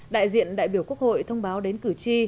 đại diện đại biểu quốc hội thông báo đến cử tri